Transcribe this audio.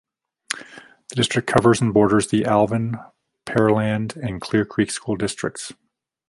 The district covers and borders the Alvin, Pearland and Clear Creek school districts.